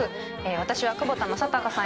私は窪田正孝さん